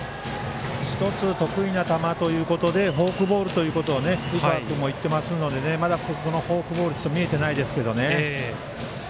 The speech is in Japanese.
１つ得意な球ということでフォークボールということを井川君も言っていますのでまだ、そのフォークボールは見られてないですけどね。